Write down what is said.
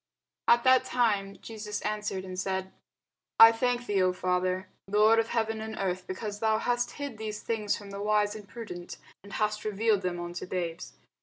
At that time Jesus answered and said, I thank thee, O Father, Lord of heaven and earth, because thou hast hid these things from the wise and prudent, and hast revealed them unto babes.